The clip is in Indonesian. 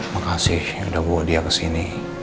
makasih udah bawa dia kesini